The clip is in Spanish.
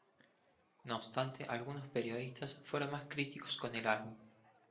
No obstante, algunos periodistas fueron más críticos con el álbum.